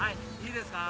いいですか？